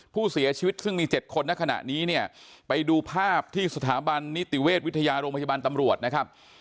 ผู้เสียชีวิตซึ่งมี๗คนในขณะนี้เนี่ยไปดูภาพที่สถาบันนิติเวชวิทยาโรงพยาบาลตำรวจนะครับ